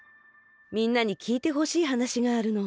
みんなにきいてほしいはなしがあるの。